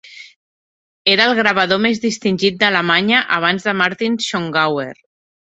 Era el gravador més distingit d'Alemanya abans de Martin Schongauer.